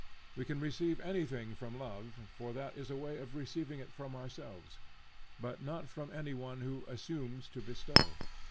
We can receive anything from love, for that is a way of receiving it from ourselves; but not from any one who assumes to bestow.